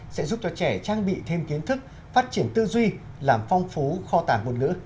sẽ giúp cho trẻ trang bị thêm kiến thức phát triển tư duy làm phong phú kho tàng ngôn ngữ